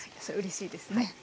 それうれしいですね。